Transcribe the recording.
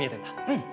うん。